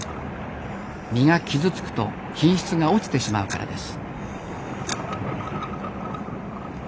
身が傷つくと品質が落ちてしまうからです。